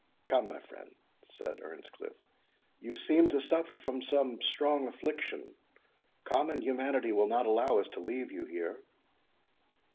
"Come, my friend," said Earnscliff, "you seem to suffer under some strong affliction; common humanity will not allow us to leave you here."